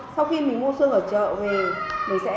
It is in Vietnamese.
sau khi mình mua xương ở chợ về mình sẽ chuẩn họ thấy hơi